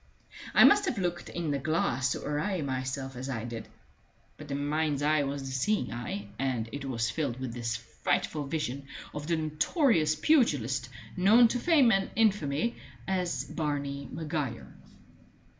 I must have looked in the glass to array myself as I did; but the mind's eye was the seeing eye, and it was filled with this frightful vision of the notorious pugilist known to fame and infamy as Barney Maguire.